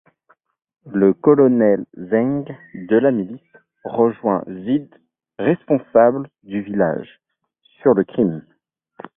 Le colonel Zeng, de la milice, rejoint Zid, responsable du village, sur le crime.